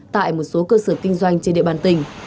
tại một số cơ sở kinh doanh trên địa bàn tỉnh